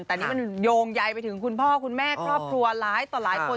แต่นี่มันโยงใยไปถึงคุณพ่อคุณแม่ครอบครัวร้ายต่อหลายคน